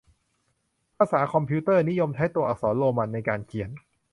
ภาษาคอมพิวเตอร์ นิยมใช้ตัวอักษรโรมันในการเขียน